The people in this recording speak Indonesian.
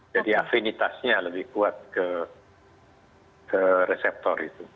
jadi afinitasnya lebih kuat ke reseptor itu